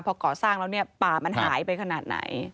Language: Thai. พอก่อสร้างแล้วเนี่ยป่ามันหายไปขนาดไหน